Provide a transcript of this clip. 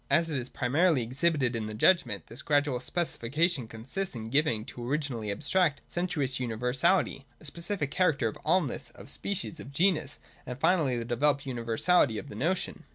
As it is primarily exhibited in the judgment, this gradual specification consists in giving to an originally abstract, sensuous universality the specific character of allness, of species, of genus, and finally of the developed universaHty of the notion.